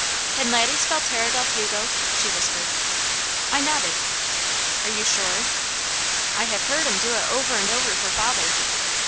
"Can Laddie spell 'Terra del Fuego?'" she whispered. I nodded. "Are you sure?" "I have heard him do it over and over for father."